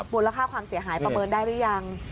มูลค่าความเสียหายประเมินได้หรือยัง